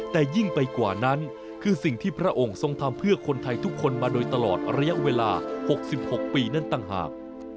แต่ยิ่งไปกว่านั้นคือสิ่งที่พระองค์ทรงทำเพื่อคนไทยทุกคนมาโดยตลอดระยะเวลา๖๖ปีนั่นต่างหาก